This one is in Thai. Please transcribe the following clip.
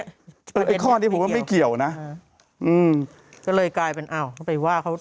ไอ้ข้อนี้ผมว่าไม่เกี่ยวนะอืมก็เลยกลายเป็นอ้าวเขาไปว่าเขา